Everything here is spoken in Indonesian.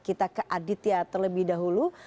kita ke aditya terlebih dahulu